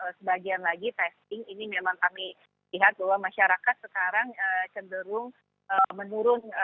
dan memang sebagian lagi testing ini memang kami lihat bahwa masyarakat sekarang cenderung menurun